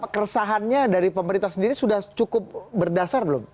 keresahannya dari pemerintah sendiri sudah cukup berdasar belum